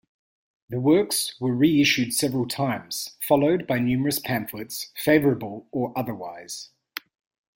The works were re-issued several times, followed by numerous pamphlets, favorable or otherwise.